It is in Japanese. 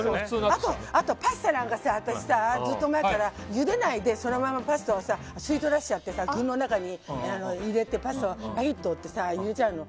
あとパスタなんかずっと前からゆでないでそのままパスタを吸い取らせちゃって具の中に入れてパスタをバキッと折って入れちゃうの。